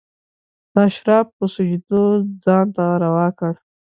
د اشراق په سجدو ځان ته روا کړ